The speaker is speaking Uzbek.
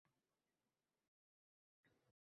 Unisi, bunisi menga dalda berib, yupatib turishgan edi